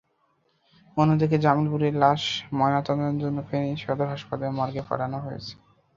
অন্যদিকে জমিলুরের লাশ ময়নাতদন্তের জন্য ফেনী সদর হাসাপাতালের মর্গে পাঠানো হয়েছে।